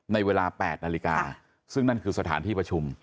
ในเวลา๘นาฬิกาซึ่งนั่นคือสถานที่ประชุม